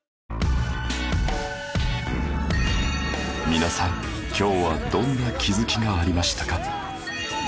皆さん今日はどんな気づきがありましたか？